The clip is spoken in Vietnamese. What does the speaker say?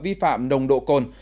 vi phạm nồng độ côn